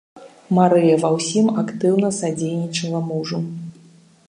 Марыя ва ўсім актыўна садзейнічала мужу.